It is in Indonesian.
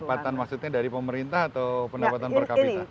pendapatan maksudnya dari pemerintah atau pendapatan per kapita